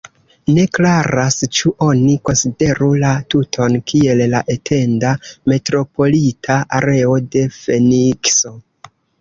Ne klaras ĉu oni konsideru la tuton kiel la etenda metropolita areo de Fenikso.